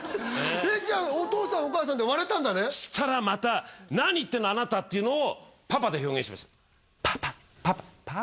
じゃあお父さんお母さんで割れたんだねそしたらまた「何言ってんのあなた」っていうのを「パパ」で表現してました